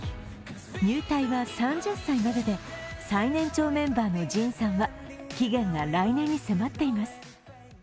入隊は３０歳までで最年長メンバーのＪＩＮさんは期限が来年に迫っています。